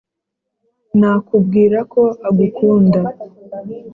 nakubwira ko agukunda